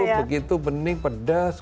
iya sop begitu bening pedas